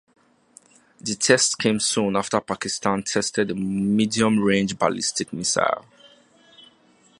The tests came soon after Pakistan tested a medium-range ballistic missile.